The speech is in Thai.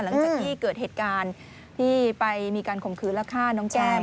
หลังจากที่เกิดเหตุการณ์ที่ไปมีการข่มขืนและฆ่าน้องแก้ม